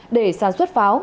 để sản xuất pháo